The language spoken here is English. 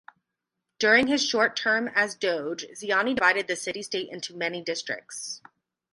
During his short term as Doge, Ziani divided the city-state into many districts.